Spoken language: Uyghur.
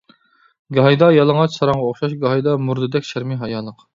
گاھىدا يالىڭاچ ساراڭغا ئوخشاش، گاھىدا مۇردىدەك شەرمى ھايالىق.